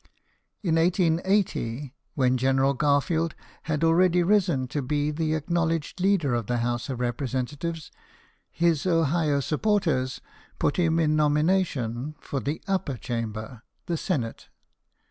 In 1880, when General Garfield had already risen to be the acknowledged leader of the House of Representatives, his Ohio supporters put him in nomination for the upper chamber, the Senate.